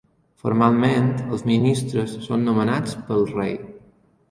Formalment, els ministres són nomenats pel rei.